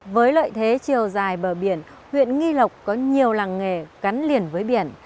với lợi thế chiều dài bờ biển huyện nghi lộc có nhiều làng nghề gắn liền với biển